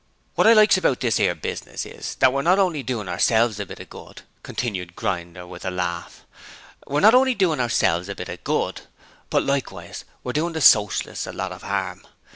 'Wot I likes about this 'ere business is that we're not only doin' ourselves a bit of good,' continued Grinder with a laugh, 'we're not only doin' ourselves a bit of good, but we're likewise doin' the Socialists a lot of 'arm.